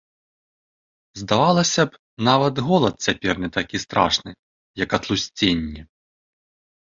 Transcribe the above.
Здавалася б, нават голад цяпер не такі страшны, як атлусценне.